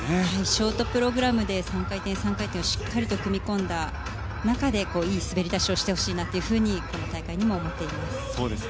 ショートプログラムで３回転、３回転をしっかりと組み込んだ中でいい滑り出しをしてほしいなと思っています。